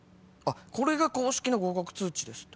「これが公式の合格通知です」って。